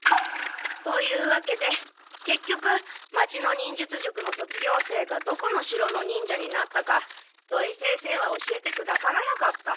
というわけでけっきょく町の忍術塾の卒業生がどこの城の忍者になったか土井先生は教えてくださらなかった。